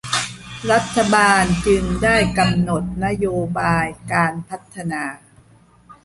รัฐบาลจึงได้กำหนดนโยบายการพัฒนา